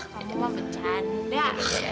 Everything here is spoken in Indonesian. wah kamu mau bercanda